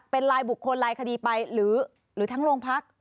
เป็นลายบุคคลลายคดีไปหรือทั้งโรงพัก